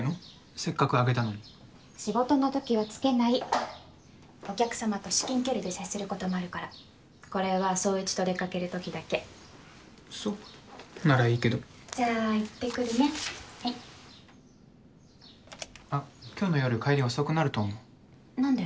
せっかくあげたのに仕事のときはつけないお客様と至近距離で接することもあるからこれは宗一と出かけるときだけそうならいいけどじゃあ行ってくるねはいあっ今日の夜帰り遅くなると思う何で？